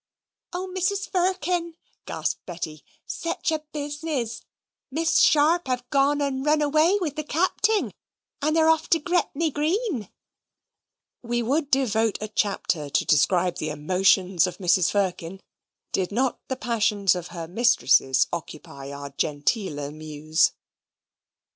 "Oh, Mrs. Firkin," gasped Betty, "sech a business. Miss Sharp have a gone and run away with the Capting, and they're off to Gretney Green!" We would devote a chapter to describe the emotions of Mrs. Firkin, did not the passions of her mistresses occupy our genteeler muse.